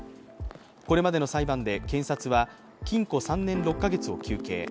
これまでの裁判で検察は禁錮３年６か月を求刑。